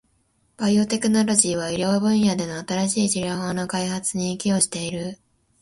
バイオテクノロジーは、医療分野での新しい治療法の開発に寄与している。